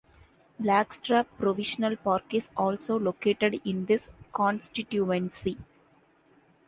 Blackstrap Provincial Park is also located in this constituency.